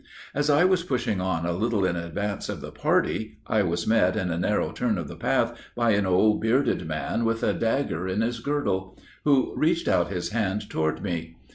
As I was pushing on a little in advance of the party, I was met, in a narrow turn of the path, by an old bearded man, with a dagger in his girdle, who reached out his hand toward me.